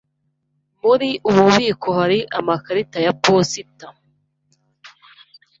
Muri ubu bubiko hari amakarita ya posita.